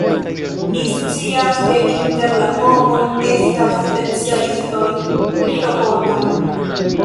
Mi scias, ke inter la homoj estas specialistoj pri robotoj.